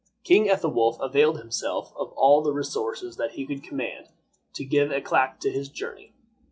King Ethelwolf availed himself of all the resources that he could command to give eclat to his journey.